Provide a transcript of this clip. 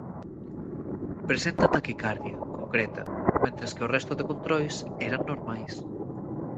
"Presenta taquicardia", concreta, mentres que o resto de controis "eran normais".